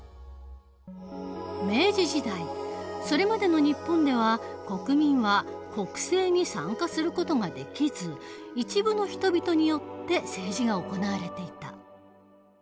明治時代それまでの日本では国民は国政に参加する事ができず一部の人々によって政治が行われていた。